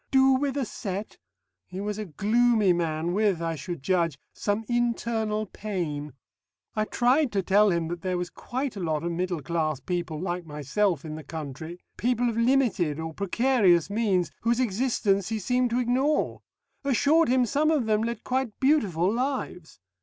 Do with a set! He was a gloomy man with (I should judge) some internal pain. I tried to tell him that there was quite a lot of middle class people like myself in the country, people of limited or precarious means, whose existence he seemed to ignore; assured him some of them led quite beautiful lives.